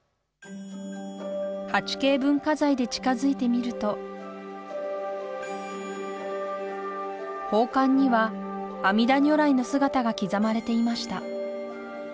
８Ｋ文化財で近づいてみると宝冠には阿弥陀如来の姿が刻まれていました。